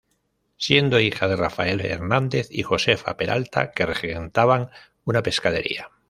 Siendo hija de Rafael Hernández y Josefa Peralta, que regentaban una pescadería.